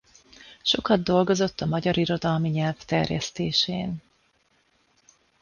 Sokat dolgozott a magyar irodalmi nyelv terjesztésén.